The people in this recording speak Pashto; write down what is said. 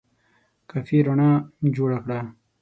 کافي رڼا جوړه کړه !